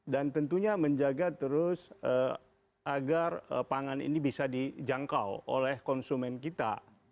dan tentunya menjaga terus agar pangan ini bisa dijangkau oleh konsumen kita